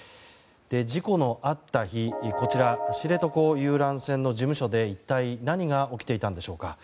事故のあった日こちら知床遊覧船の事務所で一体何が起きていたんでしょうか。